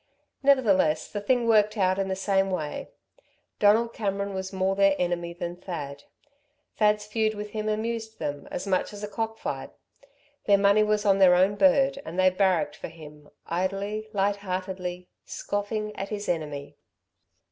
Nevertheless, the thing worked out in the same way. Donald Cameron was more their enemy than Thad. Thad's feud with him amused them as much as a cock fight; their money was on their own bird, and they barracked for him, idly, light heartedly, scoffing at his enemy.